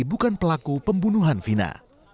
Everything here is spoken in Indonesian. bukan pelaku pembunuhan vina